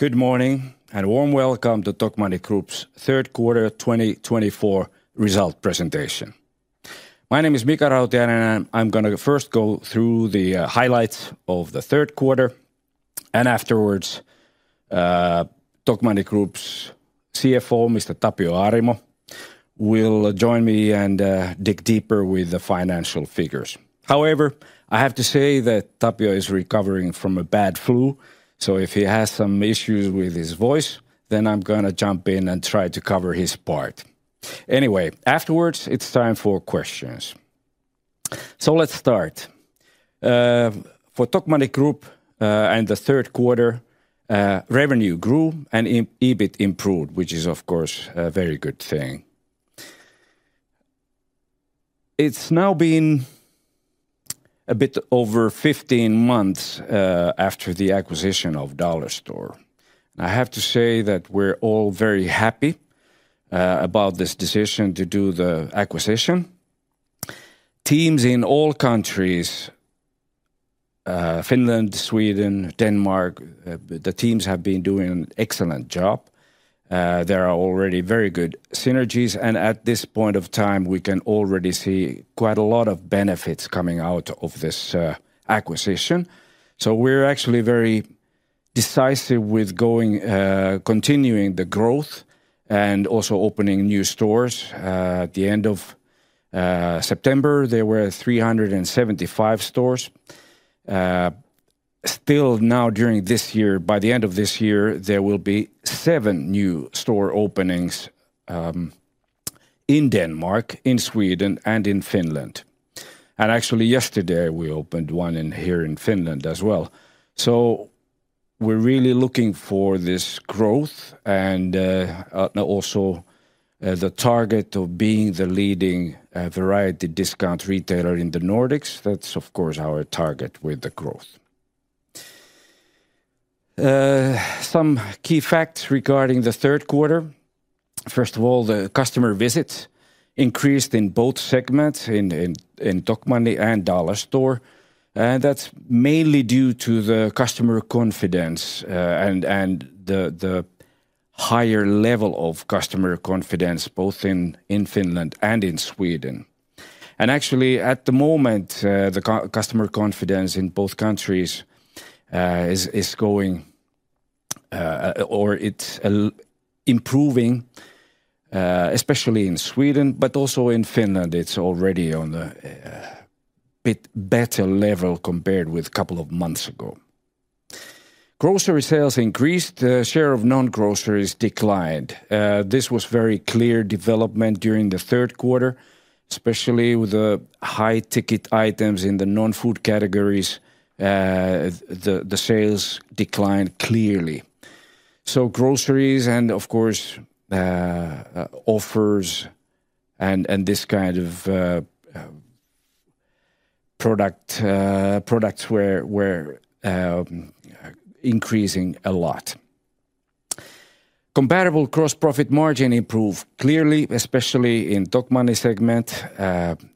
Good morning and a warm welcome to Tokmanni Group's Third Quarter 2024 Result Presentation. My name is Mika Rautiainen, and I'm going to first go through the highlights of the third quarter, and afterwards, Tokmanni Group's CFO, Mr. Tapio Arimo, will join me and dig deeper with the financial figures. However, I have to say that Tapio is recovering from a bad flu, so if he has some issues with his voice, then I'm going to jump in and try to cover his part. Anyway, afterwards, it's time for questions. So let's start. For Tokmanni Group, in the third quarter, revenue grew and EBIT improved, which is, of course, a very good thing. It's now been a bit over 15 months after the acquisition of Dollarstore. And I have to say that we're all very happy about this decision to do the acquisition. Teams in all countries, Finland, Sweden, Denmark, the teams have been doing an excellent job. There are already very good synergies, and at this point of time, we can already see quite a lot of benefits coming out of this acquisition. So we're actually very decisive with continuing the growth and also opening new stores. At the end of September, there were 375 stores. Still, now during this year, by the end of this year, there will be seven new store openings in Denmark, in Sweden, and in Finland. And actually, yesterday, we opened one here in Finland as well. So we're really looking for this growth and also the target of being the leading variety discount retailer in the Nordics. That's, of course, our target with the growth. Some key facts regarding the third quarter. First of all, the customer visits increased in both segments, in Tokmanni and Dollarstore, and that's mainly due to the customer confidence and the higher level of customer confidence, both in Finland and in Sweden, and actually, at the moment, the customer confidence in both countries is going, or it's improving, especially in Sweden, but also in Finland. It's already on a bit better level compared with a couple of months ago. Grocery sales increased, the share of non-groceries declined. This was a very clear development during the third quarter, especially with the high ticket items in the non-food categories, the sales declined clearly, so groceries and, of course, offers and this kind of products were increasing a lot. Comparable gross profit margin improved clearly, especially in the Tokmanni segment.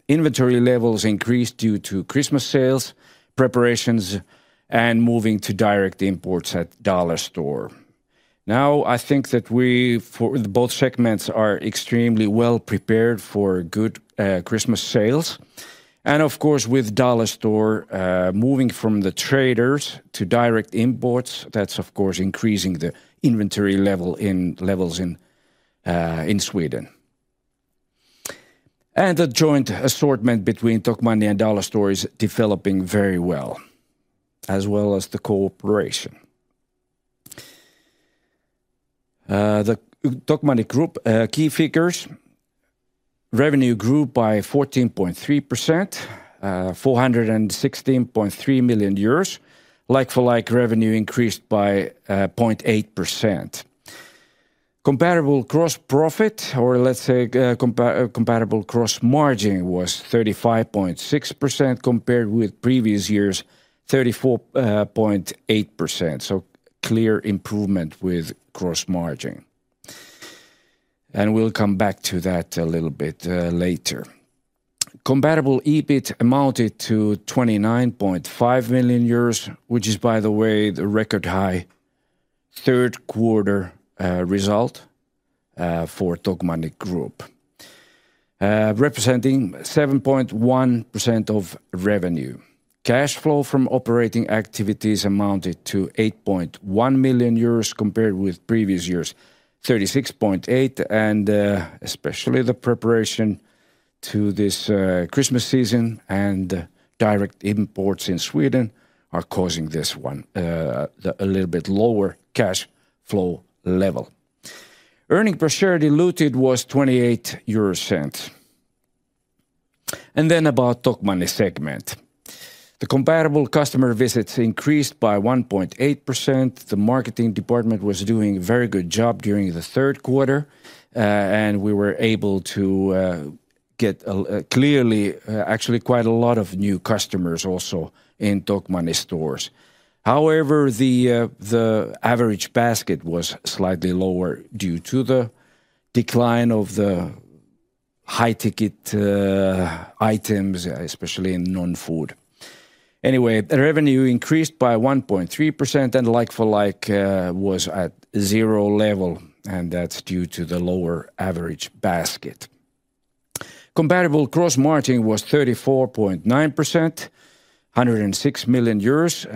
Inventory levels increased due to Christmas sales, preparations, and moving to direct imports at Dollarstore. Now, I think that we for both segments are extremely well prepared for good Christmas sales. And of course, with Dollarstore moving from the traders to direct imports, that's, of course, increasing the inventory levels in Sweden. And the joint assortment between Tokmanni and Dollarstore is developing very well, as well as the cooperation. The Tokmanni Group key figures, revenue grew by 14.3%, 416.3 million euros. Like-for-like revenue increased by 0.8%. Comparable gross profit, or let's say comparable gross margin, was 35.6% compared with previous years, 34.8%. So clear improvement with gross margin. And we'll come back to that a little bit later. Comparable EBIT amounted to 29.5 million euros, which is, by the way, the record high third quarter result for Tokmanni Group, representing 7.1% of revenue. Cash flow from operating activities amounted to 8.1 million euros compared with previous years, 36.8. Especially the preparation to this Christmas season and direct imports in Sweden are causing this one a little bit lower cash flow level. Earnings per share diluted was 0.28. About Tokmanni segment. The comparable customer visits increased by 1.8%. The marketing department was doing a very good job during the third quarter, and we were able to get clearly actually quite a lot of new customers also in Tokmanni stores. However, the average basket was slightly lower due to the decline of the high ticket items, especially in non-food. Anyway, revenue increased by 1.3% and like-for-like was at zero level, and that's due to the lower average basket. Comparable gross margin was 34.9%, 106 million euros.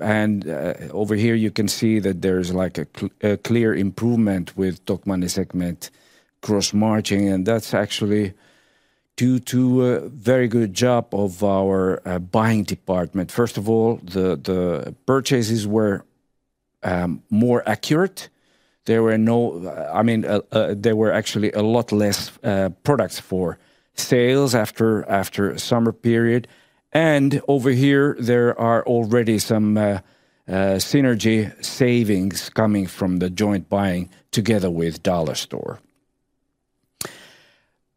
And over here, you can see that there's like a clear improvement with Tokmanni segment gross margin, and that's actually due to a very good job of our buying department. First of all, the purchases were more accurate. There were no, I mean, there were actually a lot less products for sales after the summer period. And over here, there are already some synergy savings coming from the joint buying together with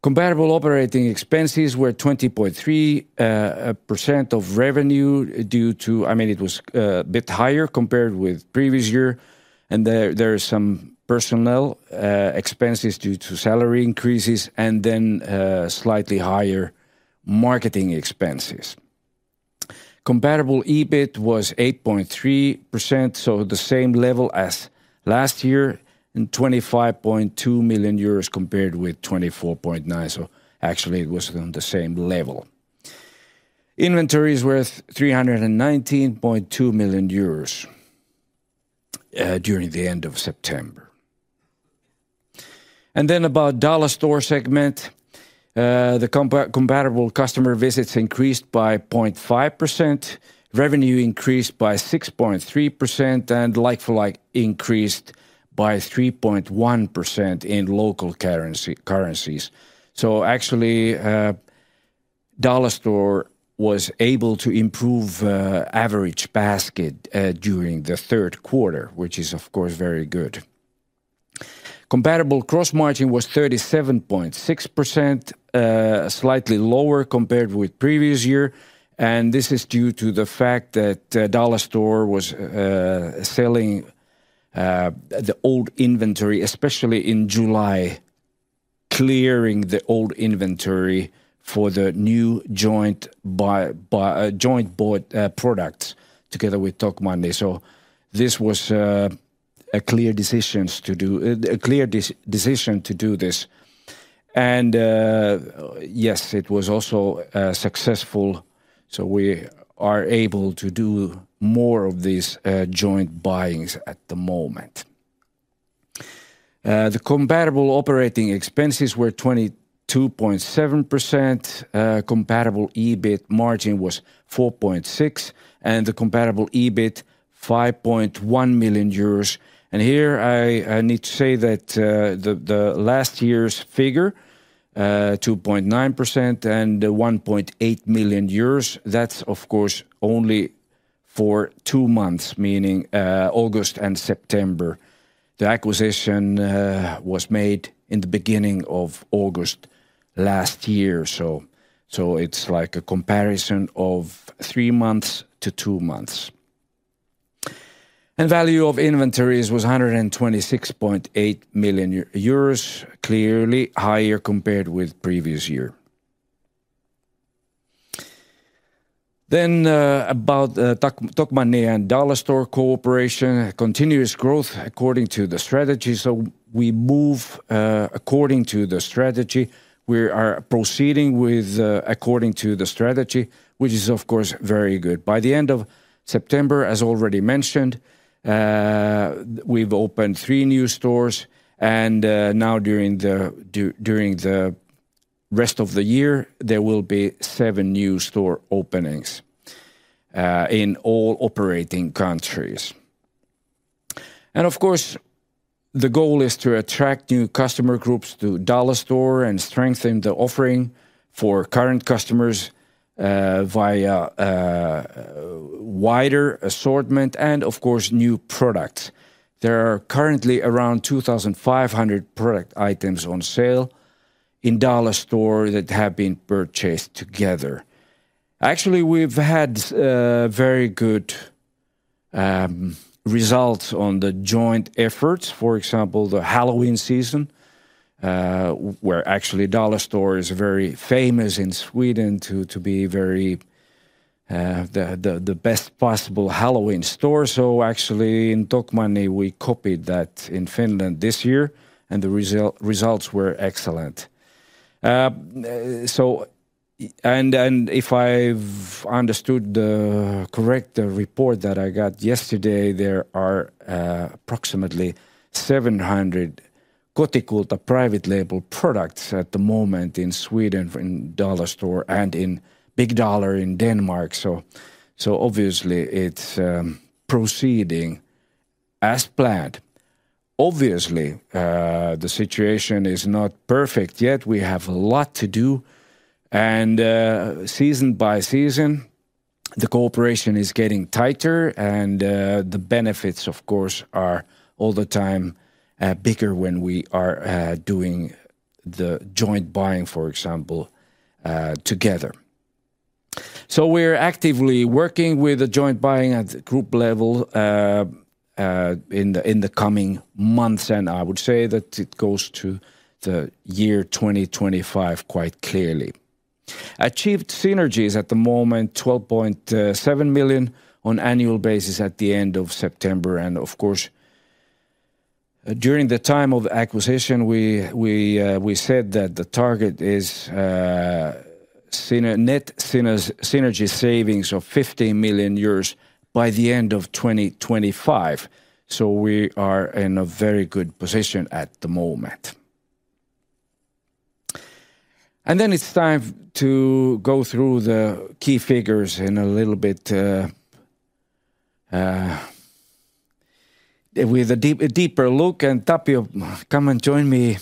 Dollarstore. Comparable operating expenses were 20.3% of revenue due to, I mean, it was a bit higher compared with previous year. And there are some personnel expenses due to salary increases and then slightly higher marketing expenses. Comparable EBIT was 8.3%, so the same level as last year and 25.2 million euros compared with 24.9. So actually, it was on the same level. Inventory is worth 319.2 million euros during the end of September. Then about Dollarstore segment, the comparable customer visits increased by 0.5%, revenue increased by 6.3%, and like-for-like increased by 3.1% in local currencies. Actually, Dollarstore was able to improve average basket during the third quarter, which is, of course, very good. Comparable gross margin was 37.6%, slightly lower compared with previous year. This is due to the fact that Dollarstore was selling the old inventory, especially in July, clearing the old inventory for the new joint bought products together with Tokmanni. This was a clear decision to do this. Yes, it was also successful. We are able to do more of these joint buyings at the moment. The comparable operating expenses were 22.7%. Comparable EBIT margin was 4.6%, and the comparable EBIT was 5.1 million euros. And here, I need to say that the last year's figure, 2.9% and 1.8 million, that's, of course, only for two months, meaning August and September. The acquisition was made in the beginning of August last year. So it's like a comparison of three months to two months. And value of inventories was 126.8 million euros, clearly higher compared with previous year. Then about Tokmanni and Dollarstore cooperation, continuous growth according to the strategy. So we move according to the strategy. We are proceeding according to the strategy, which is, of course, very good. By the end of September, as already mentioned, we've opened three new stores. And now, during the rest of the year, there will be seven new store openings in all operating countries. And of course, the goal is to attract new customer groups to Dollarstore and strengthen the offering for current customers via wider assortment and, of course, new products. There are currently around 2,500 product items on sale in Dollarstore that have been purchased together. Actually, we've had very good results on the joint efforts. For example, the Halloween season, where actually Dollarstore is very famous in Sweden to be the best possible Halloween store. So actually, in Tokmanni, we copied that in Finland this year, and the results were excellent. And if I've understood the correct report that I got yesterday, there are approximately 700 Kotikulta private label products at the moment in Sweden in Dollarstore and in Big Dollar in Denmark. So obviously, it's proceeding as planned. Obviously, the situation is not perfect yet. We have a lot to do. Season by season, the cooperation is getting tighter, and the benefits, of course, are all the time bigger when we are doing the joint buying, for example, together. We're actively working with the joint buying at the group level in the coming months, and I would say that it goes to the year 2025 quite clearly. Achieved synergies at the moment, 12.7 million on an annual basis at the end of September. Of course, during the time of acquisition, we said that the target is net synergy savings of 15 million euros by the end of 2025. We are in a very good position at the moment. It's time to go through the key figures in a little bit with a deeper look. Tapio, come and join me,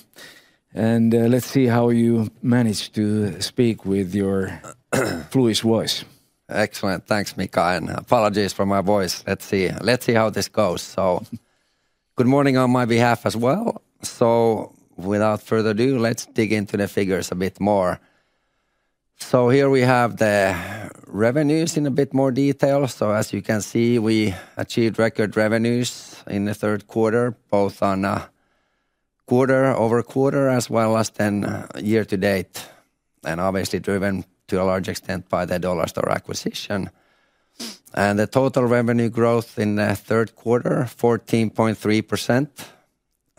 and let's see how you manage to speak with your fluid voice. Excellent. Thanks, Mika. Apologies for my voice. Let's see how this goes. Good morning on my behalf as well. Without further ado, let's dig into the figures a bit more. Here we have the revenues in a bit more detail. As you can see, we achieved record revenues in the third quarter, both on a quarter over quarter, as well as then year to date, and obviously driven to a large extent by the Dollarstore acquisition. The total revenue growth in the third quarter, 14.3%,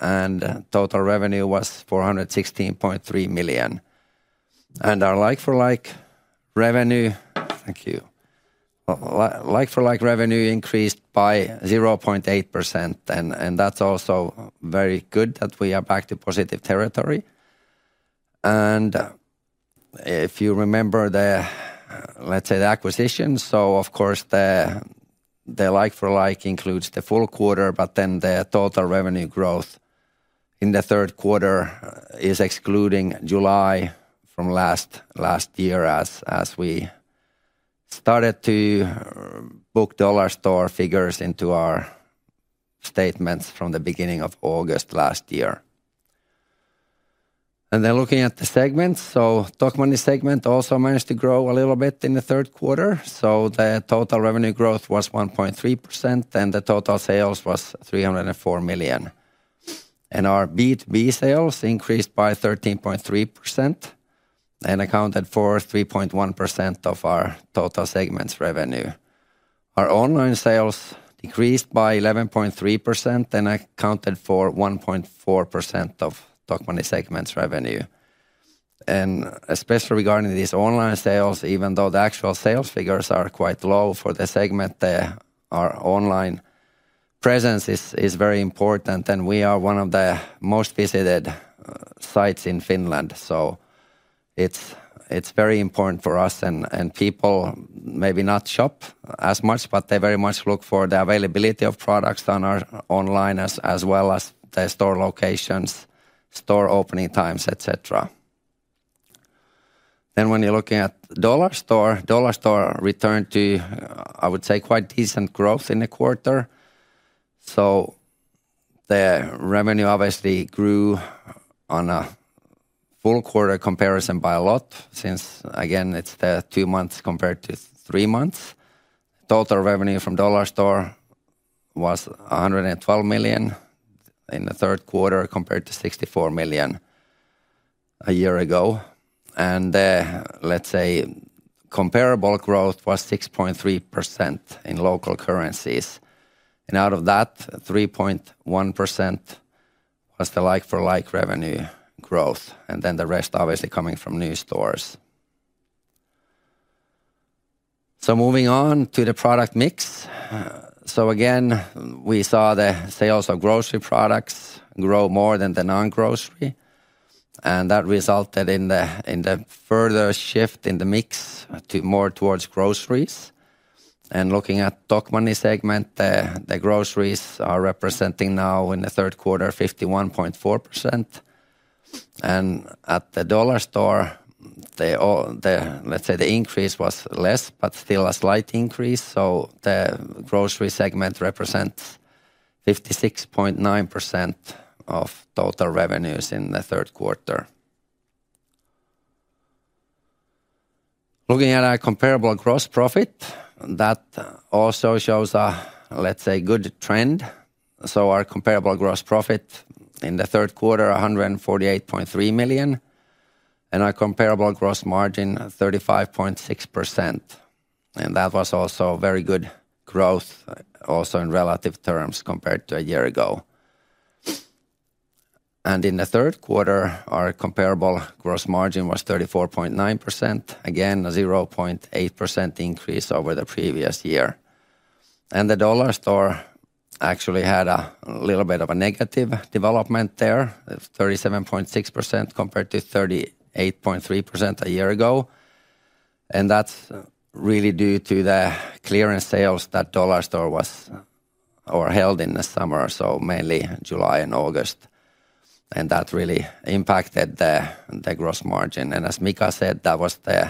and total revenue was 416.3 million. Our like-for-like revenue, thank you. Like-for-like revenue increased by 0.8%. That's also very good that we are back to positive territory. If you remember the, let's say, the acquisition, the like-for-like includes the full quarter, but then the total revenue growth in the third quarter is excluding July from last year as we started to book Dollarstore figures into our statements from the beginning of August last year. Then looking at the segments, the Tokmanni segment also managed to grow a little bit in the third quarter. The total revenue growth was 1.3%, and the total sales was 304 million. Our B2B sales increased by 13.3% and accounted for 3.1% of our total segment's revenue. Our online sales decreased by 11.3% and accounted for 1.4% of Tokmanni segment's revenue. Especially regarding these online sales, even though the actual sales figures are quite low for the segment, our online presence is very important. We are one of the most visited sites in Finland. It's very important for us. People maybe not shop as much, but they very much look for the availability of products on our online, as well as the store locations, store opening times, etc. When you're looking at Dollarstore, Dollarstore returned to, I would say, quite decent growth in the quarter. The revenue obviously grew on a full quarter comparison by a lot since, again, it's the two months compared to three months. Total revenue from Dollarstore was 112 million EUR in the third quarter compared to 64 million EUR a year ago. Let's say comparable growth was 6.3% in local currencies. Out of that, 3.1% was the like-for-like revenue growth. The rest obviously coming from new stores. Moving on to the product mix. So again, we saw the sales of grocery products grow more than the non-grocery. And that resulted in the further shift in the mix more towards groceries. And looking at Tokmanni segment, the groceries are representing now in the third quarter 51.4%. And at the Dollarstore, let's say the increase was less, but still a slight increase. So the grocery segment represents 56.9% of total revenues in the third quarter. Looking at our comparable gross profit, that also shows a, let's say, good trend. So our comparable gross profit in the third quarter, EUR 148.3 million. And our comparable gross margin, 35.6%. And that was also very good growth, also in relative terms compared to a year ago. And in the third quarter, our comparable gross margin was 34.9%. Again, a 0.8% increase over the previous year. And the Dollarstore actually had a little bit of a negative development there, 37.6% compared to 38.3% a year ago. And that's really due to the clearance sales that Dollarstore held in the summer, so mainly July and August. And that really impacted the gross margin. And as Mika said, the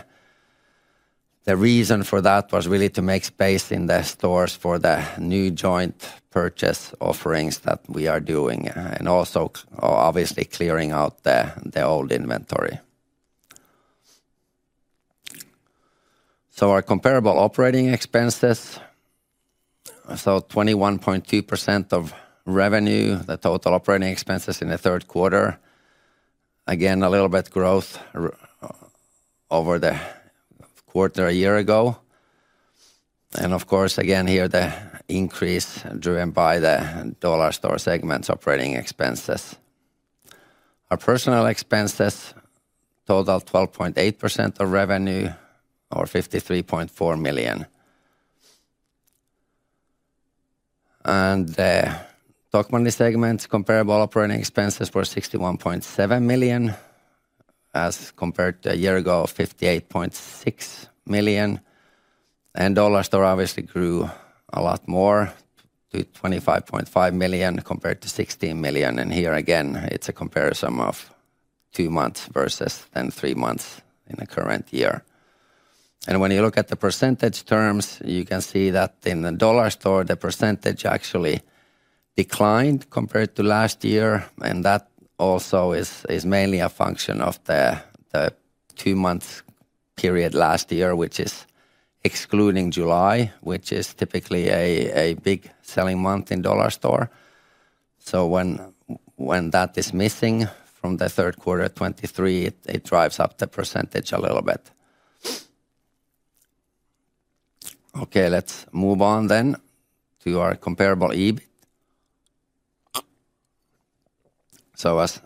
reason for that was really to make space in the stores for the new joint purchase offerings that we are doing, and also obviously clearing out the old inventory. So our comparable operating expenses, 21.2% of revenue, the total operating expenses in the third quarter, again, a little bit growth over the quarter a year ago. And of course, again, here the increase driven by the Dollarstore segment's operating expenses. Our personnel expenses total 12.8% of revenue, or EUR 53.4 million. The Tokmanni segment's comparable operating expenses were 61.7 million, as compared to a year ago, 58.6 million. Dollarstore obviously grew a lot more to 25.5 million compared to 16 million. Here again, it's a comparison of two months versus then three months in the current year. When you look at the percentage terms, you can see that in the Dollarstore, the percentage actually declined compared to last year. That also is mainly a function of the two-month period last year, which is excluding July, which is typically a big selling month in Dollarstore. When that is missing from the third quarter of 2023, it drives up the percentage a little bit. Okay, let's move on then to our comparable EBIT.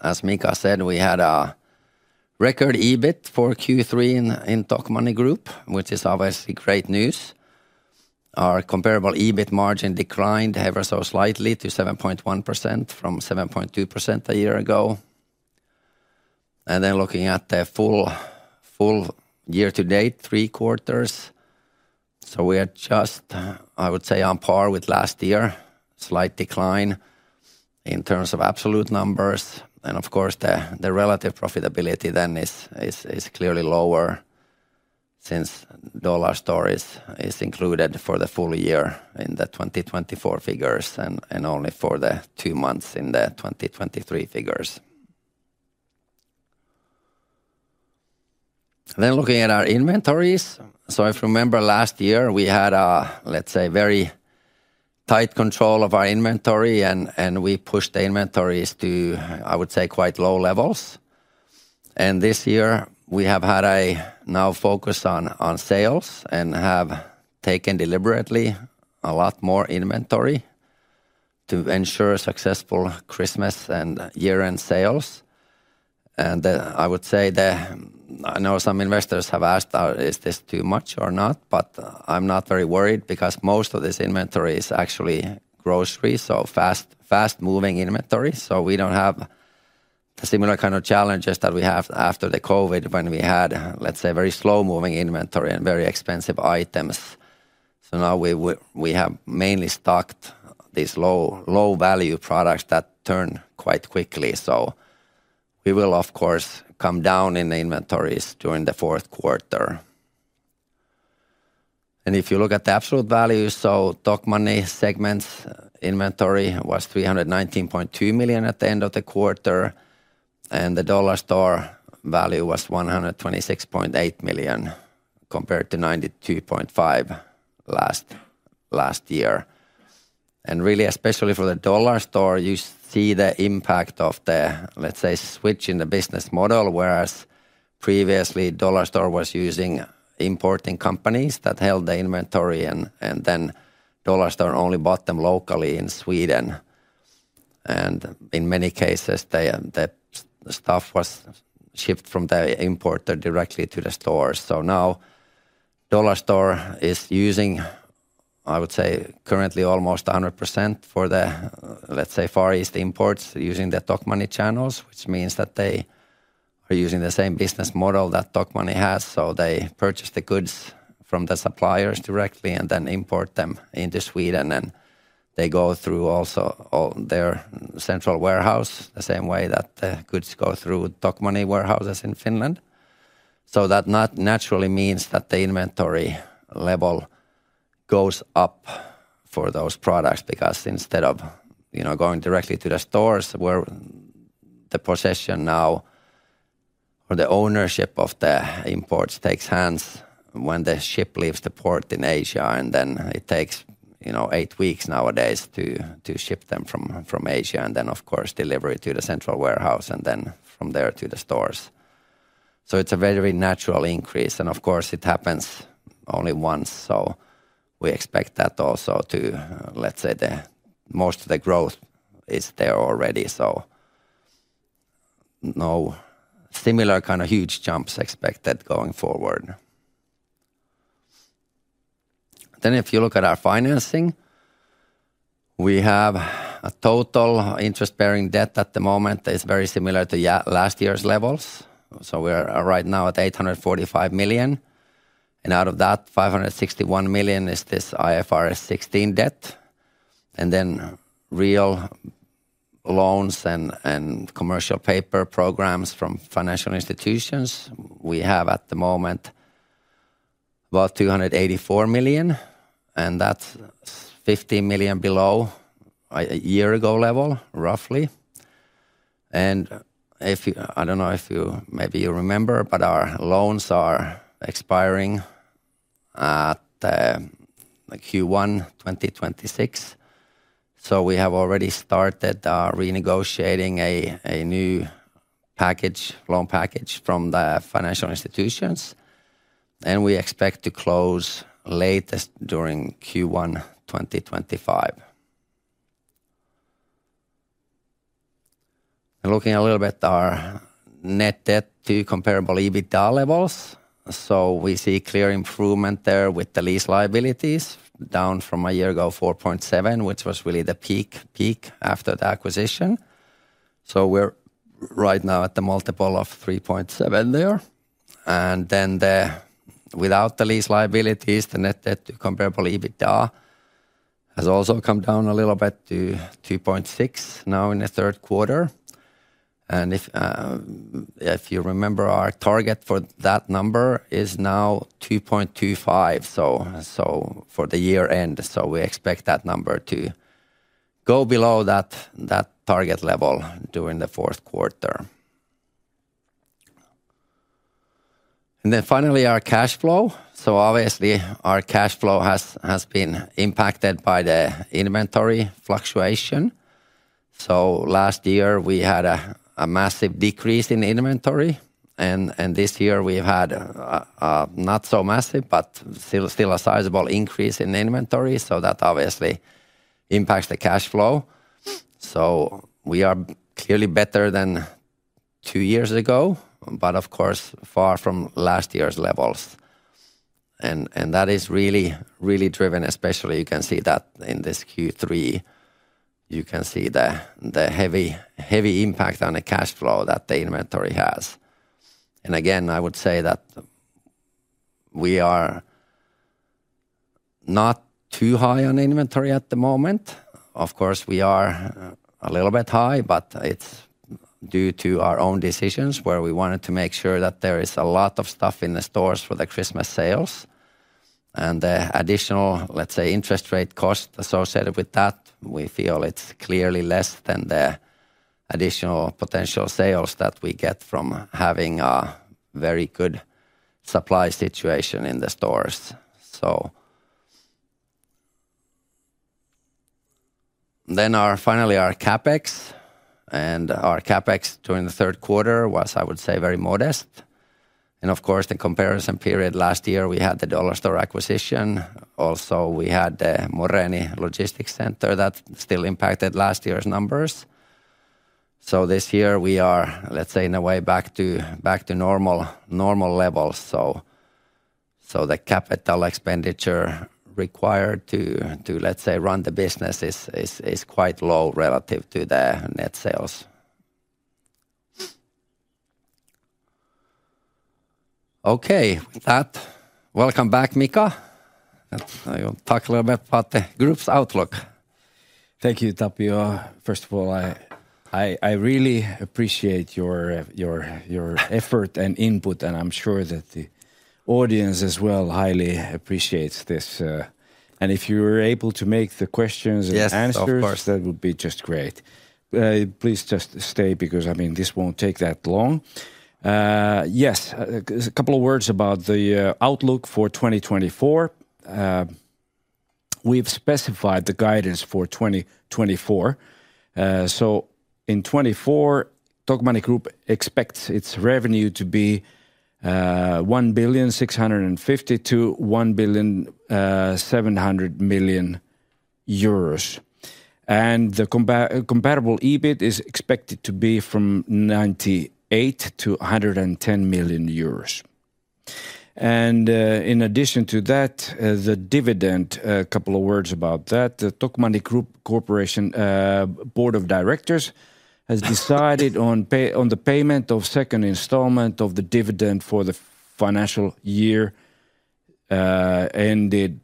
As Mika said, we had a record EBIT for Q3 in Tokmanni Group, which is obviously great news. Our comparable EBIT margin declined ever so slightly to 7.1% from 7.2% a year ago, and then looking at the full year-to-date three quarters, so we are just, I would say, on par with last year, slight decline in terms of absolute numbers, and of course, the relative profitability then is clearly lower since Dollarstore is included for the full year in the 2024 figures and only for the two months in the 2023 figures, then looking at our inventories, so if you remember last year, we had a, let's say, very tight control of our inventory, and we pushed the inventories to, I would say, quite low levels, and this year, we have had a now focus on sales and have taken deliberately a lot more inventory to ensure successful Christmas and year-end sales. I would say that I know some investors have asked, is this too much or not, but I'm not very worried because most of this inventory is actually grocery, so fast-moving inventory. So we don't have the similar kind of challenges that we have after the COVID when we had, let's say, very slow-moving inventory and very expensive items. So now we have mainly stocked these low-value products that turn quite quickly. So we will, of course, come down in the inventories during the fourth quarter. And if you look at the absolute values, so Tokmanni segment's inventory was 319.2 million at the end of the quarter, and the Dollarstore value was 126.8 million compared to 92.5 million last year. Really, especially for the Dollarstore, you see the impact of the, let's say, switch in the business model, whereas previously Dollarstore was using importing companies that held the inventory, and then Dollarstore only bought them locally in Sweden. And in many cases, the stuff was shipped from the importer directly to the stores. So now Dollarstore is using, I would say, currently almost 100% for the, let's say, Far East imports using the Tokmanni channels, which means that they are using the same business model that Tokmanni has. So they purchase the goods from the suppliers directly and then import them into Sweden, and they go through also their central warehouse the same way that the goods go through Tokmanni warehouses in Finland. That naturally means that the inventory level goes up for those products because instead of going directly to the stores, where the possession now or the ownership of the imports changes hands when the ship leaves the port in Asia, and then it takes eight weeks nowadays to ship them from Asia, and then, of course, delivery to the central warehouse, and then from there to the stores. It's a very natural increase, and of course, it happens only once. We expect that also to, let's say, most of the growth is there already. No similar kind of huge jumps expected going forward. If you look at our financing, we have a total interest-bearing debt at the moment that is very similar to last year's levels. We are right now at 845 million. Out of that, 561 million is this IFRS 16 debt. And then real loans and commercial paper programs from financial institutions, we have at the moment about 284 million, and that's 15 million below a year-ago level, roughly. I don't know if you maybe remember, but our loans are expiring at Q1 2026. We have already started renegotiating a new loan package from the financial institutions, and we expect to close latest during Q1 2025. Looking a little bit at our net debt to comparable EBITDA levels, we see clear improvement there with the lease liabilities down from a year ago, 4.7, which was really the peak after the acquisition. We're right now at the multiple of 3.7 there. Without the lease liabilities, the net debt to comparable EBITDA has also come down a little bit to 2.6 now in the third quarter. If you remember, our target for that number is now 2.25, so for the year-end. We expect that number to go below that target level during the fourth quarter. Then, finally, our cash flow. Obviously, our cash flow has been impacted by the inventory fluctuation. Last year, we had a massive decrease in inventory, and this year we've had a not so massive, but still a sizable increase in inventory. That obviously impacts the cash flow. We are clearly better than two years ago, but of course, far from last year's levels. That is really driven, especially you can see that in this Q3, you can see the heavy impact on the cash flow that the inventory has. Again, I would say that we are not too high on the inventory at the moment. Of course, we are a little bit high, but it's due to our own decisions where we wanted to make sure that there is a lot of stuff in the stores for the Christmas sales, and the additional, let's say, interest rate cost associated with that, we feel it's clearly less than the additional potential sales that we get from having a very good supply situation in the stores. So then finally, our CapEx, and our CapEx during the third quarter was, I would say, very modest, and of course, the comparison period last year, we had the Dollarstore acquisition. Also, we had the Moreeni Logistics Center that still impacted last year's numbers, so this year, we are, let's say, in a way back to normal levels, so the capital expenditure required to, let's say, run the business is quite low relative to the net sales. Okay, with that, welcome back, Mika. I'll talk a little bit about the group's outlook. Thank you, Tapio. First of all, I really appreciate your effort and input, and I'm sure that the audience as well highly appreciates this, and if you were able to make the questions and answers, of course, that would be just great. Please just stay because, I mean, this won't take that long. Yes, a couple of words about the outlook for 2024. We've specified the guidance for 2024, so in 2024, Tokmanni Group expects its revenue to be 1,650,000-1,700,000 euros. And the comparable EBIT is expected to be from 98 million-110 million euros. And in addition to that, the dividend, a couple of words about that. The Tokmanni Group Corporation Board of Directors has decided on the payment of second installment of the dividend for the financial year ended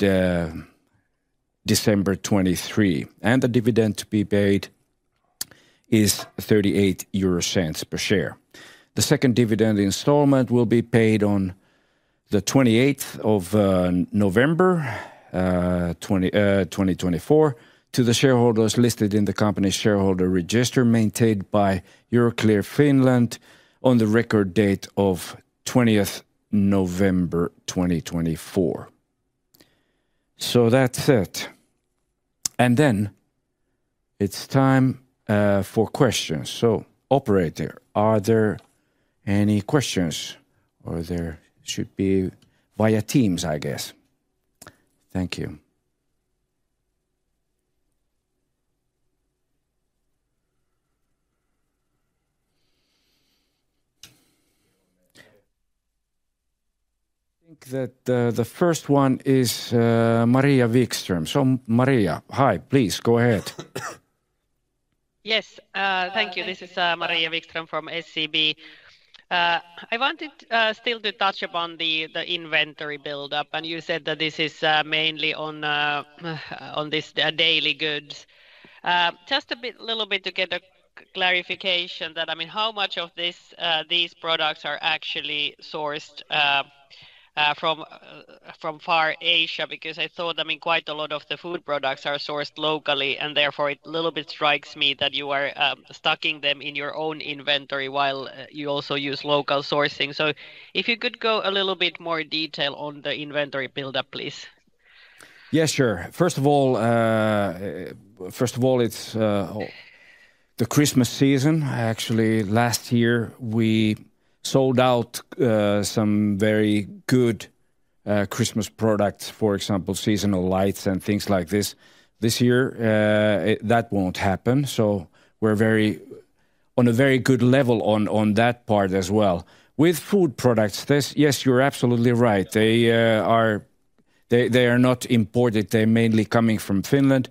December 2023. The dividend to be paid is 0.38 per share. The second dividend installment will be paid on the November 28th 2024 to the shareholders listed in the company's shareholder register maintained by Euroclear Finland on the record date of November 20th 2024. That's it. It's time for questions. Operator, are there any questions? Or there should be via Teams, I guess. Thank you. I think that the first one is Maria Wikström. Maria, hi, please go ahead. Yes, thank you. This is Maria Wikström from SEB. I wanted still to touch upon the inventory buildup, and you said that this is mainly on these daily goods. Just a little bit to get a clarification that, I mean, how much of these products are actually sourced from Far East Asia? Because I thought, I mean, quite a lot of the food products are sourced locally, and therefore it a little bit strikes me that you are stocking them in your own inventory while you also use local sourcing. So if you could go a little bit more detail on the inventory buildup, please. Yes, sure. First of all, it's the Christmas season. Actually, last year we sold out some very good Christmas products, for example, seasonal lights and things like this. This year, that won't happen. So we're on a very good level on that part as well. With food products, yes, you're absolutely right. They are not imported. They're mainly coming from Finland.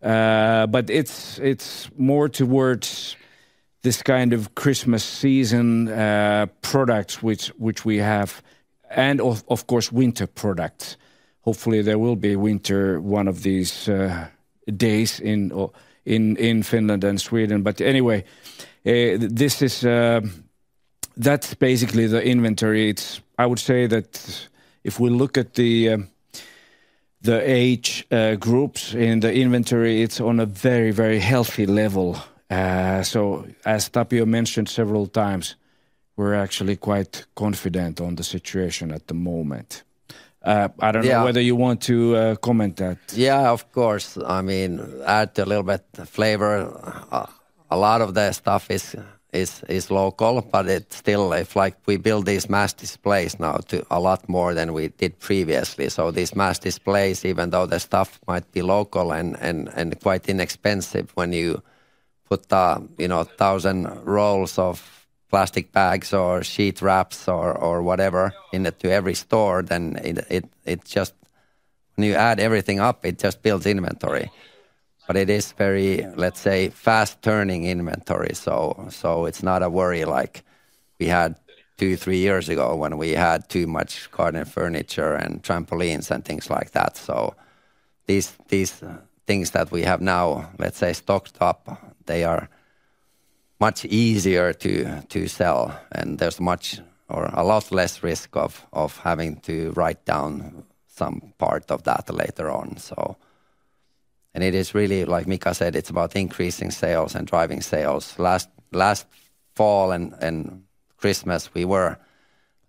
But it's more towards this kind of Christmas season products which we have, and of course, winter products. Hopefully, there will be winter one of these days in Finland and Sweden. But anyway, that's basically the inventory. I would say that if we look at the age groups in the inventory, it's on a very, very healthy level. So as Tapio mentioned several times, we're actually quite confident on the situation at the moment. I don't know whether you want to comment that. Yeah, of course. I mean, add a little bit of flavor. A lot of the stuff is local, but it's still like we build these mass displays now to a lot more than we did previously. So these mass displays, even though the stuff might be local and quite inexpensive, when you put a thousand rolls of plastic bags or sheet wraps or whatever into every store, then it just, when you add everything up, it just builds inventory. But it is very, let's say, fast turning inventory. It's not a worry like we had two, three years ago when we had too much garden furniture and trampolines and things like that. These things that we have now, let's say, stocked up, they are much easier to sell, and there's much or a lot less risk of having to write down some part of that later on. It is really, like Mika said, it's about increasing sales and driving sales. Last fall and Christmas, we were,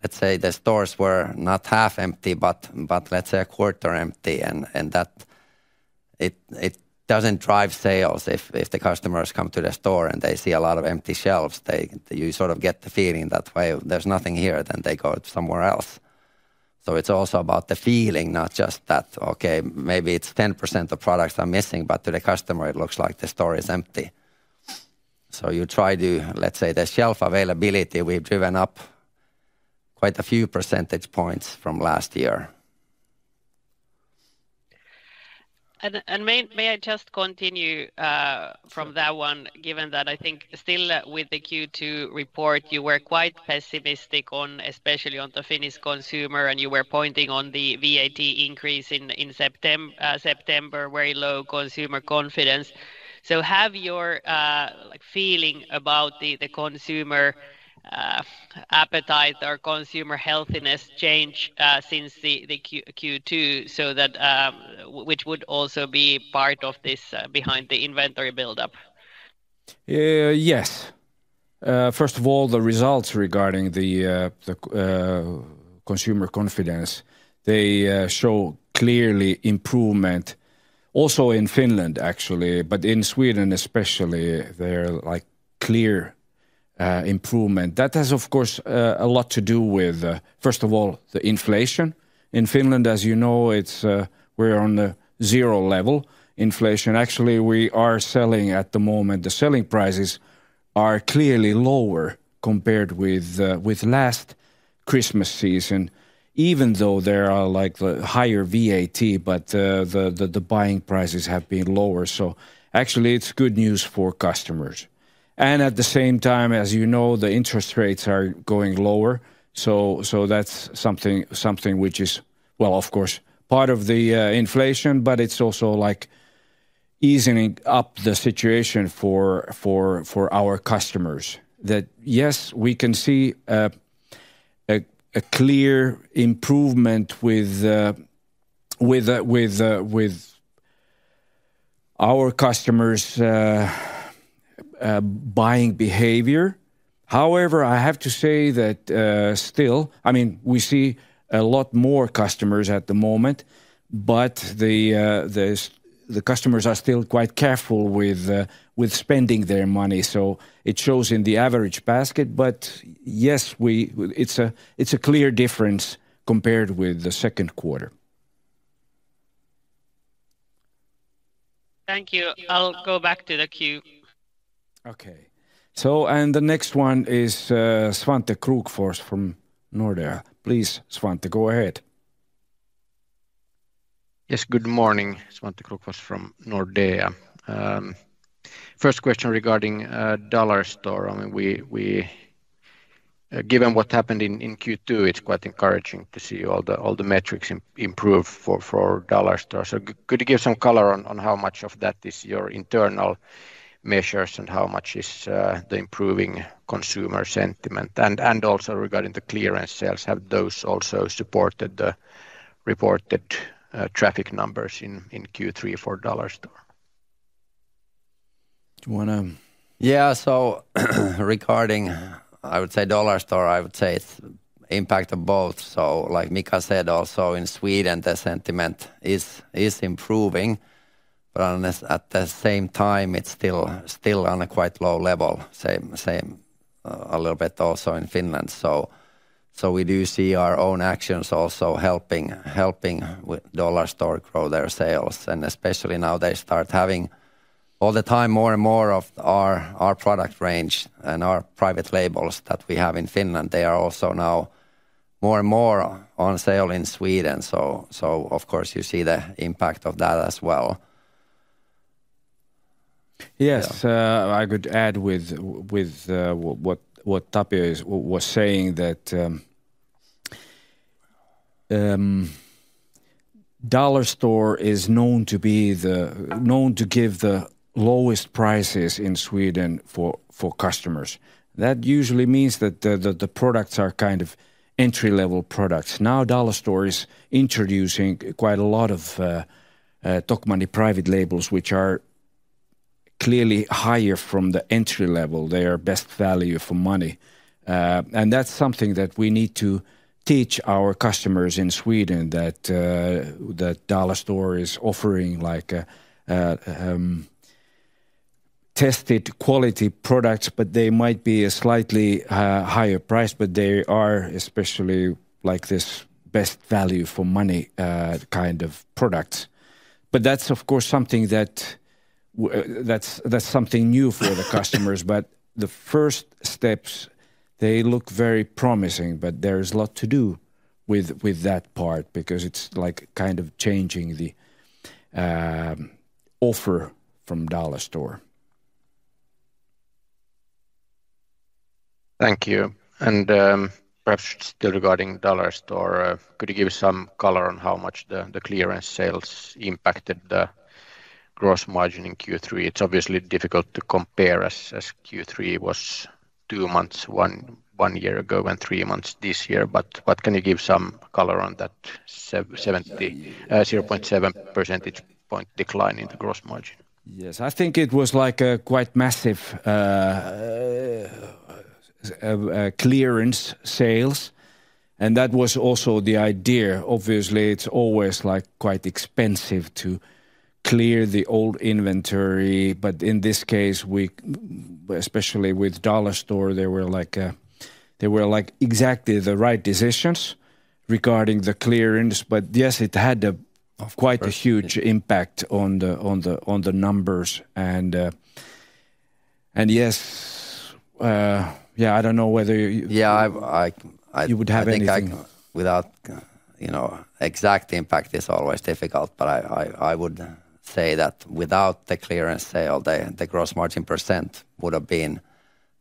let's say, the stores were not half empty, but let's say a quarter empty. That it doesn't drive sales if the customers come to the store and they see a lot of empty shelves. You sort of get the feeling that, well, there's nothing here, then they go somewhere else. So it's also about the feeling, not just that, okay, maybe it's 10% of products are missing, but to the customer, it looks like the store is empty. So you try to, let's say, the shelf availability, we've driven up quite a few percentage points from last year. And may I just continue from that one, given that I think still with the Q2 report, you were quite pessimistic on, especially on the Finnish consumer, and you were pointing on the VAT increase in September, very low consumer confidence. So have your feeling about the consumer appetite or consumer healthiness changed since the Q2, which would also be part of this behind the inventory buildup? Yes. First of all, the results regarding the consumer confidence, they show clearly improvement, also in Finland actually, but in Sweden especially, they're like clear improvement. That has, of course, a lot to do with, first of all, the inflation in Finland. As you know, we're on the zero level inflation. Actually, we are selling at the moment, the selling prices are clearly lower compared with last Christmas season, even though there are like the higher VAT, but the buying prices have been lower. So actually, it's good news for customers. And at the same time, as you know, the interest rates are going lower. So that's something which is, well, of course, part of the inflation, but it's also like easing up the situation for our customers. That, yes, we can see a clear improvement with our customers' buying behavior. However, I have to say that still, I mean, we see a lot more customers at the moment, but the customers are still quite careful with spending their money. So it shows in the average basket, but yes, it's a clear difference compared with the second quarter. Thank you. I'll go back to the queue. Okay. And the next one is Svante Krokfors from Nordea. Please, Svante, go ahead. Yes, good morning. Svante Krokfors from Nordea. First question regarding Dollarstore. Given what happened in Q2, it's quite encouraging to see all the metrics improve for Dollarstore. So could you give some color on how much of that is your internal measures and how much is the improving consumer sentiment? And also regarding the clearance sales, have those also supported the reported traffic numbers in Q3 for Dollarstore? Do you want to? Yeah, so regarding, I would say, Dollarstore, I would say it's impacted both. So like Mika said, also in Sweden, the sentiment is improving, but at the same time, it's still on a quite low level, same a little bit also in Finland. So we do see our own actions also helping Dollarstore grow their sales. And especially now they start having all the time more and more of our product range and our private labels that we have in Finland. They are also now more and more on sale in Sweden. So of course, you see the impact of that as well. Yes, I could add with what Tapio was saying that Dollarstore is known to give the lowest prices in Sweden for customers. That usually means that the products are kind of entry-level products. Now Dollarstore is introducing quite a lot of Tokmanni private labels, which are clearly higher from the entry level. They are best value for money. That's something that we need to teach our customers in Sweden that Dollarstore is offering tested quality products, but they might be a slightly higher price, but they are especially like this best value for money kind of products. But that's, of course, something that's new for the customers. But the first steps, they look very promising, but there's a lot to do with that part because it's like kind of changing the offer from Dollarstore. Thank you. Perhaps still regarding Dollarstore, could you give some color on how much the clearance sales impacted the gross margin in Q3? It's obviously difficult to compare as Q3 was two months one year ago and three months this year. But can you give some color on that 0.7 percentage point decline in the gross margin? Yes, I think it was like a quite massive clearance sales, and that was also the idea. Obviously, it's always like quite expensive to clear the old inventory, but in this case, especially with Dollarstore, there were like exactly the right decisions regarding the clearance, but yes, it had quite a huge impact on the numbers, and yes, yeah, I don't know whether you would have anything. Without exact impact, it's always difficult, but I would say that without the clearance sale, the gross margin % would have been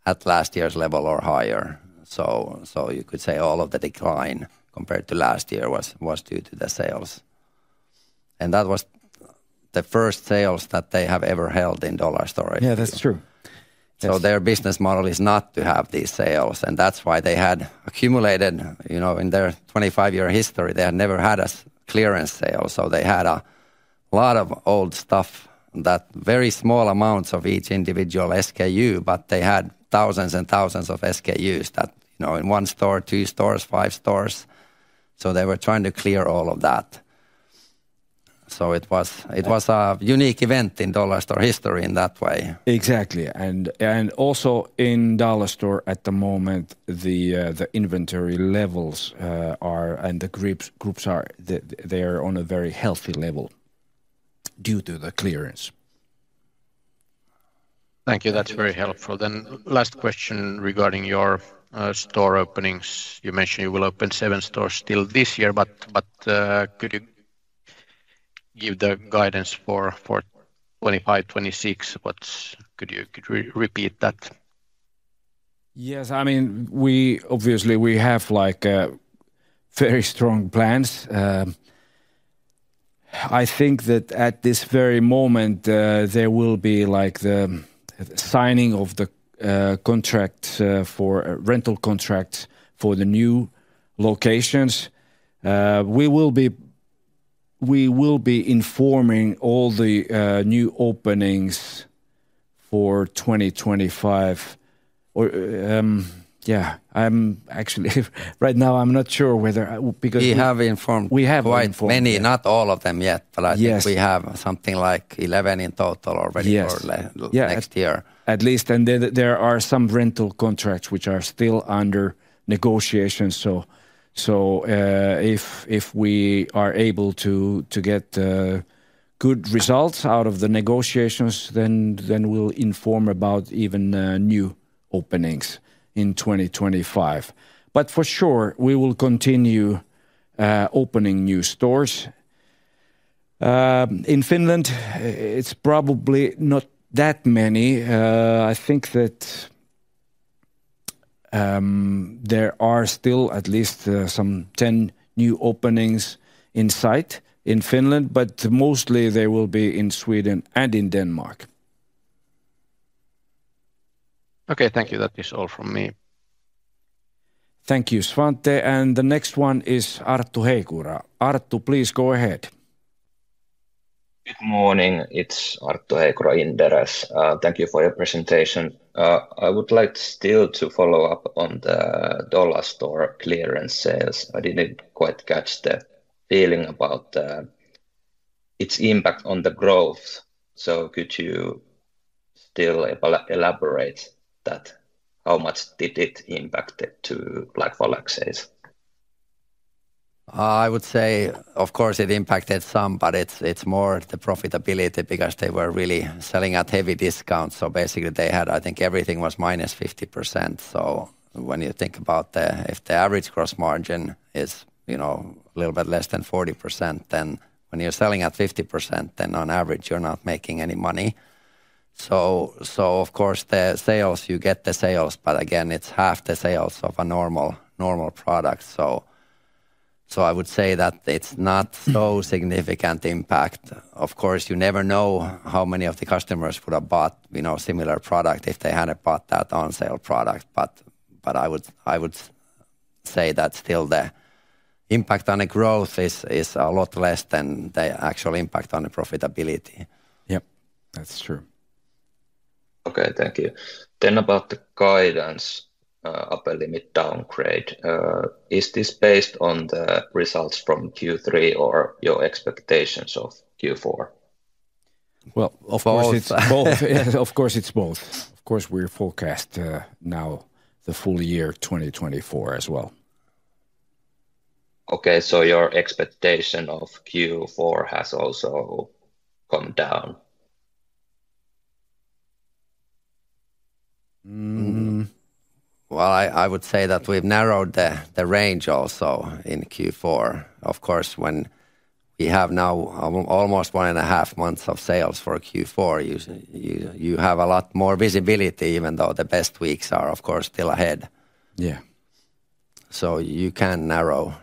at last year's level or higher, so you could say all of the decline compared to last year was due to the sales, and that was the first sales that they have ever held in Dollarstore. Yeah, that's true, so their business model is not to have these sales. That's why they had accumulated in their 25-year history. They had never had a clearance sale. So they had a lot of old stuff, very small amounts of each individual SKU, but they had thousands and thousands of SKUs in one store, two stores, five stores. So they were trying to clear all of that. So it was a unique event in Dollarstore history in that way. Exactly. And also in Dollarstore at the moment, the inventory levels and the group's are there on a very healthy level due to the clearance. Thank you. That's very helpful. Then last question regarding your store openings. You mentioned you will open seven stores still this year, but could you give the guidance for 2025-2026? Could you repeat that? Yes. I mean, obviously, we have very strong plans. I think that at this very moment, there will be the signing of the rental contracts for the new locations. We will be informing all the new openings for 2025. Yeah, actually, right now I'm not sure whether we have informed. We have quite many, not all of them yet, but I think we have something like 11 in total already for next year, at least, and there are some rental contracts which are still under negotiation, so if we are able to get good results out of the negotiations, then we'll inform about even new openings in 2025, but for sure we will continue opening new stores. In Finland, it's probably not that many. I think that there are still at least some 10 new openings in sight in Finland, but mostly they will be in Sweden and in Denmark. Okay, thank you. That is all from me. Thank you, Svante. And the next one is Arttu Heikura. Arttu, please go ahead. Good morning. It's Arttu Heikura in Inderes. Thank you for your presentation. I would like still to follow up on the Dollarstore clearance sales. I didn't quite catch the feeling about its impact on the growth. So could you still elaborate that? How much did it impact to Black Week sales? I would say, of course, it impacted some, but it's more the profitability because they were really selling at heavy discounts. So basically, they had, I think everything was -50%. So when you think about the, if the average gross margin is a little bit less than 40%, then when you're selling at 50%, then on average, you're not making any money. So of course, the sales, you get the sales, but again, it's half the sales of a normal product. So, I would say that it's not so significant impact. Of course, you never know how many of the customers would have bought similar products if they hadn't bought that on-sale product. But I would say that still the impact on the growth is a lot less than the actual impact on the profitability. Yeah, that's true. Okay, thank you. Then about the guidance, upper limit downgrade. Is this based on the results from Q3 or your expectations of Q4? Well, of course, it's both. Of course, it's both. Of course, we forecast now the full year 2024 as well. Okay, so your expectation of Q4 has also come down. Well, I would say that we've narrowed the range also in Q4. Of course, when we have now almost one and a half months of sales for Q4, you have a lot more visibility, even though the best weeks are, of course, still ahead. Yeah, so you can narrow,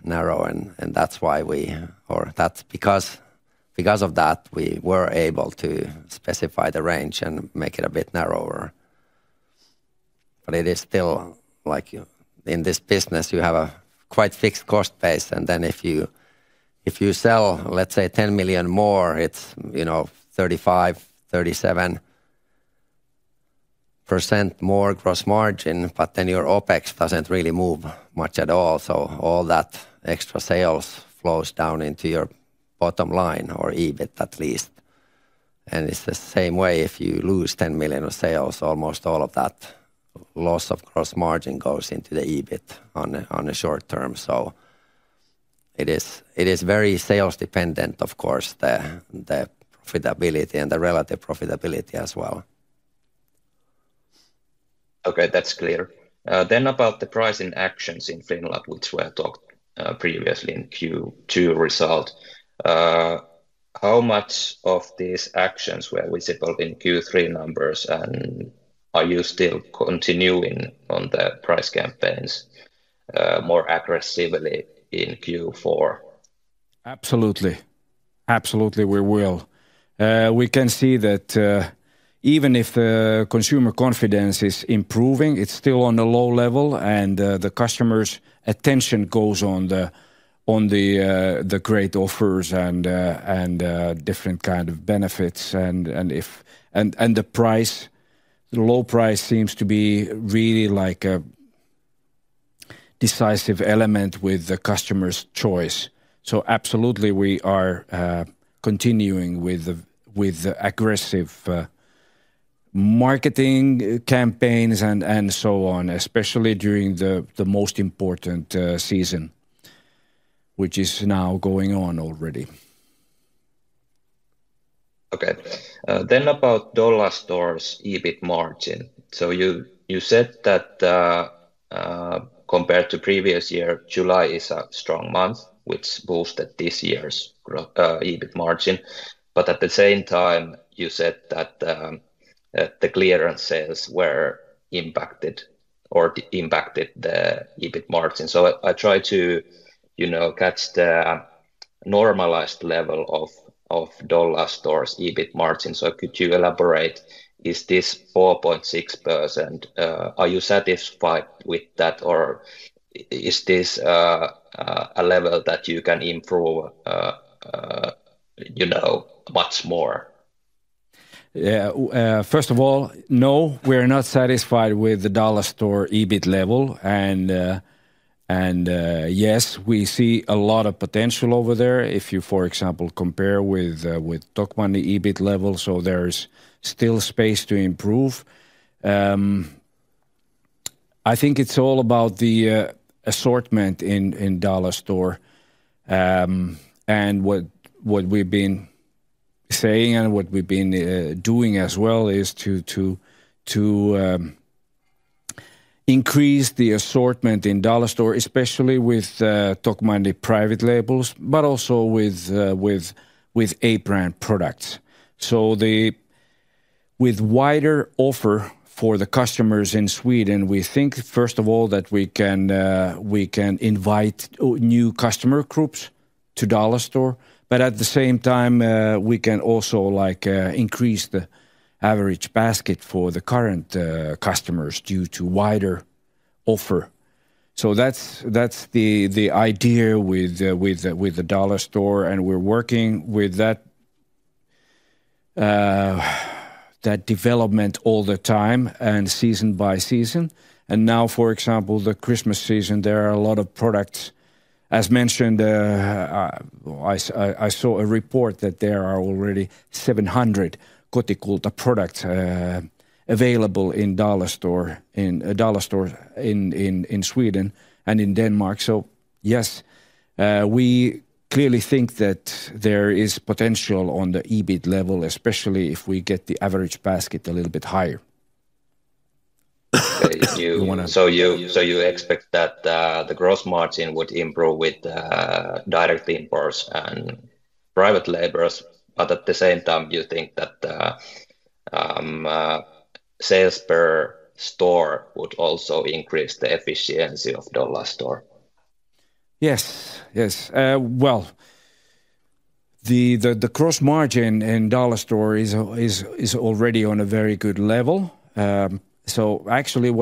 and that's why we, or that's because of that, we were able to specify the range and make it a bit narrower, but it is still like in this business, you have a quite fixed cost base, and then if you sell, let's say, 10 million more, it's 35%-37% more gross margin, but then your OpEx doesn't really move much at all, so all that extra sales flows down into your bottom line or EBIT at least, and it's the same way if you lose 10 million of sales, almost all of that loss of gross margin goes into the EBIT on the short term. So it is very sales dependent, of course, the profitability and the relative profitability as well. Okay, that's clear. Then about the pricing actions in Finland, which were talked previously in Q2 result. How much of these actions were visible in Q3 numbers? And are you still continuing on the price campaigns more aggressively in Q4? Absolutely. Absolutely, we will. We can see that even if the consumer confidence is improving, it's still on a low level. And the customer's attention goes on the great offers and different kinds of benefits. And the price, the low price seems to be really like a decisive element with the customer's choice. So absolutely, we are continuing with the aggressive marketing campaigns and so on, especially during the most important season, which is now going on already. Okay. Then about Dollarstore's EBIT margin. You said that compared to previous year, July is a strong month, which boosted this year's EBIT margin. But at the same time, you said that the clearance sales were impacted or impacted the EBIT margin. So I try to catch the normalized level of Dollarstore's EBIT margin. So could you elaborate? Is this 4.6%? Are you satisfied with that? Or is this a level that you can improve much more? Yeah. First of all, no, we're not satisfied with the Dollarstore EBIT level. And yes, we see a lot of potential over there. If you, for example, compare with Tokmanni EBIT level, so there's still space to improve. I think it's all about the assortment in Dollarstore. And what we've been saying and what we've been doing as well is to increase the assortment in Dollarstore, especially with Tokmanni private labels, but also with branded products. So with wider offer for the customers in Sweden, we think, first of all, that we can invite new customer groups to Dollarstore. But at the same time, we can also increase the average basket for the current customers due to wider offer. So that's the idea with the Dollarstore. And we're working with that development all the time and season by season. And now, for example, the Christmas season, there are a lot of products. As mentioned, I saw a report that there are already 700 Kotikulta products available in Dollarstore in Sweden and in Denmark. So yes, we clearly think that there is potential on the EBIT level, especially if we get the average basket a little bit higher. So you expect that the gross margin would improve with direct imports and private labels, but at the same time, you think that sales per store would also increase the efficiency of Dollarstore? Yes. Yes. Well, the gross margin in Dollarstore is already on a very good level. So actually,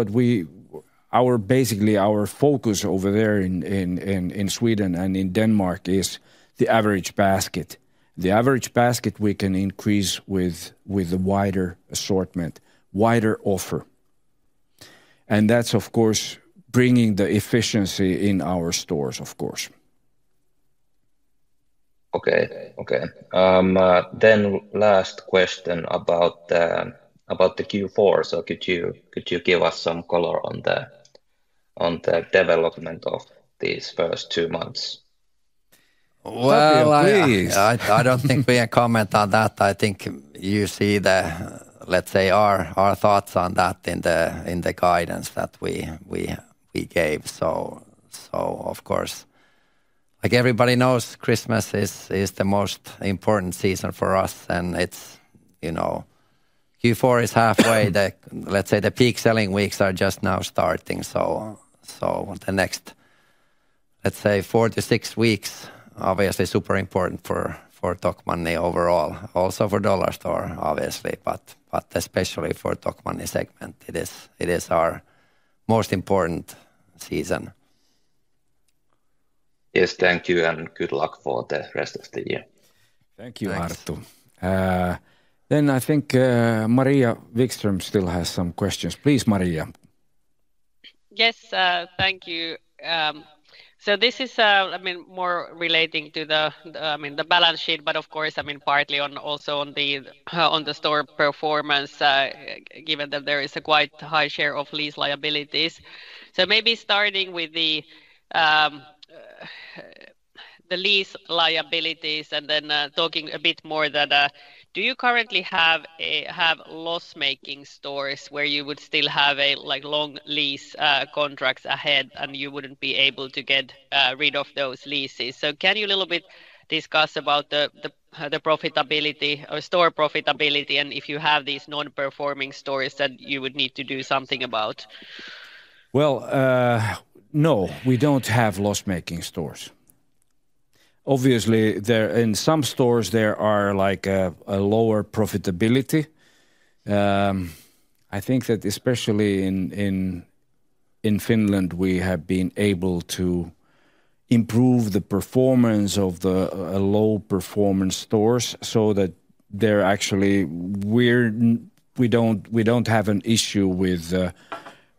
basically, our focus over there in Sweden and in Denmark is the average basket. The average basket we can increase with the wider assortment, wider offer. And that's, of course, bringing the efficiency in our stores, of course. Okay. Okay. Then last question about the Q4. So could you give us some color on the development of these first two months? Well, please. I don't think we can comment on that. I think you see the, let's say, our thoughts on that in the guidance that we gave. So of course, like everybody knows, Christmas is the most important season for us. And Q4 is halfway. Let's say the peak selling weeks are just now starting. So the next, let's say, four to six weeks, obviously super important for Tokmanni overall. Also for Dollarstore, obviously, but especially for Tokmanni segment. It is our most important season. Yes, thank you. And good luck for the rest of the year. Thank you, Arttu. Then I think Maria Wikström still has some questions. Please, Maria. Yes, thank you. So this is more relating to the balance sheet, but of course, partly also on the store performance, given that there is a quite high share of lease liabilities. So maybe starting with the lease liabilities and then talking a bit more that do you currently have loss-making stores where you would still have long lease contracts ahead and you wouldn't be able to get rid of those leases. So can you a little bit discuss about the profitability or store profitability and if you have these non-performing stores that you would need to do something about. Well, no, we don't have loss-making stores. Obviously, in some stores, there are lower profitability. I think that especially in Finland, we have been able to improve the performance of the low-performance stores so that they're actually, we don't have an issue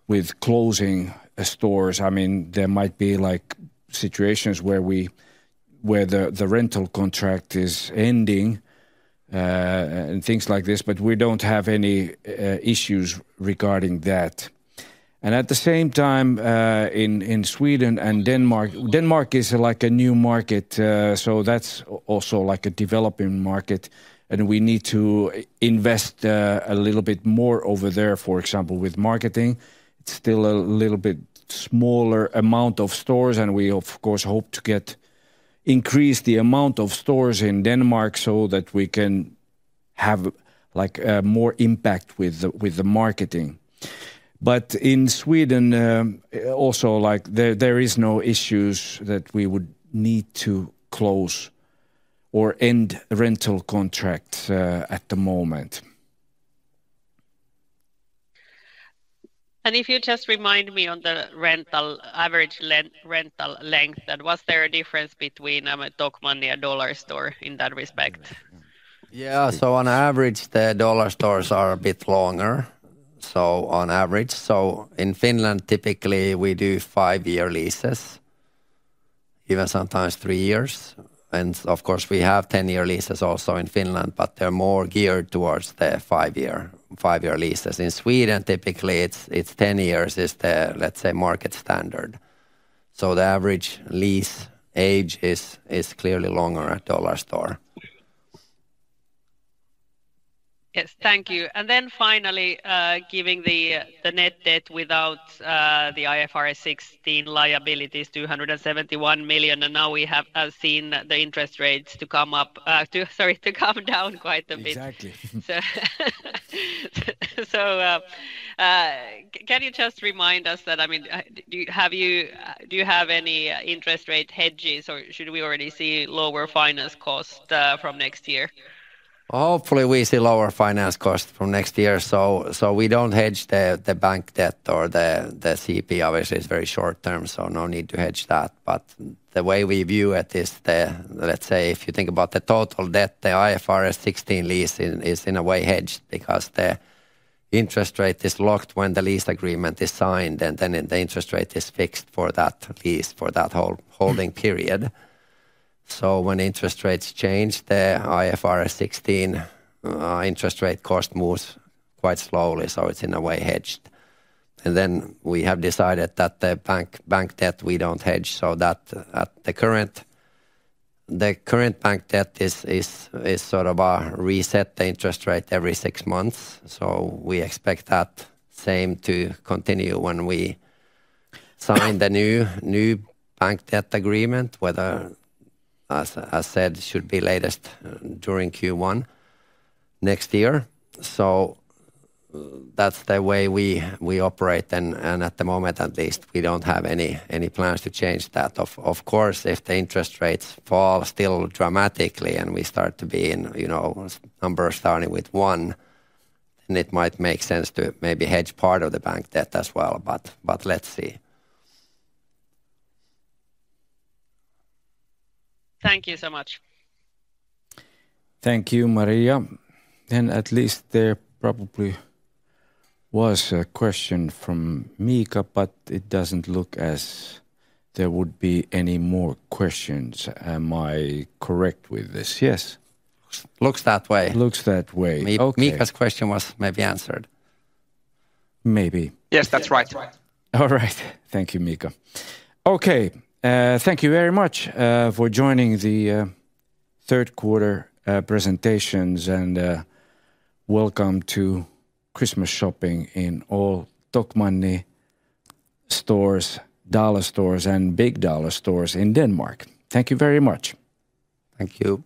with closing stores. I mean, there might be situations where the rental contract is ending and things like this, but we don't have any issues regarding that. And at the same time, in Sweden and Denmark, Denmark is like a new market, so that's also like a developing market. And we need to invest a little bit more over there, for example, with marketing. It's still a little bit smaller amount of stores. And we, of course, hope to get increased the amount of stores in Denmark so that we can have more impact with the marketing. But in Sweden, also, there are no issues that we would need to close or end rental contracts at the moment. And if you just remind me on the average rental length, was there a difference between a Tokmanni and Dollarstore in that respect? Yeah, so on average, the Dollarstores are a bit longer. So on average, in Finland, typically, we do five-year leases, even sometimes three years. Of course, we have ten-year leases also in Finland, but they're more geared towards the five-year leases. In Sweden, typically, it's ten years is the, let's say, market standard. So the average lease age is clearly longer at Dollarstore. Yes, thank you. And then finally, giving the net debt without the IFRS 16 liabilities is 271 million. And now we have seen the interest rates to come up, sorry, to come down quite a bit. Exactly. So can you just remind us that, I mean, do you have any interest rate hedges or should we already see lower finance cost from next year? Hopefully, we see lower finance cost from next year. So we don't hedge the bank debt or the CP, obviously, it's very short term, so no need to hedge that. But the way we view it is, let's say, if you think about the total debt, the IFRS 16 lease is in a way hedged because the interest rate is locked when the lease agreement is signed and then the interest rate is fixed for that lease, for that holding period. So when interest rates change, the IFRS 16 interest rate cost moves quite slowly, so it's in a way hedged. And then we have decided that the bank debt we don't hedge. So the current bank debt is sort of a reset interest rate every six months. So we expect that same to continue when we sign the new bank debt agreement, whether, as I said, should be latest during Q1 next year. So that's the way we operate. And at the moment, at least, we don't have any plans to change that. Of course, if the interest rates fall still dramatically and we start to be in numbers starting with one, then it might make sense to maybe hedge part of the bank debt as well, but let's see. Thank you so much. Thank you, Maria. And at least there probably was a question from Mika, but it doesn't look as there would be any more questions. Am I correct with this? Yes. Looks that way. Looks that way. Mika's question was maybe answered. Maybe. Yes, that's right. All right. Thank you, Mika. Okay. Thank you very much for joining the third quarter presentations and welcome to Christmas shopping in all Tokmanni stores, Dollarstore stores, and Big Dollarstores in Denmark. Thank you very much. Thank you.